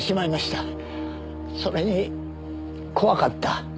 それに怖かった。